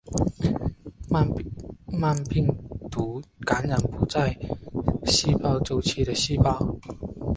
慢病毒感染不在细胞周期的细胞。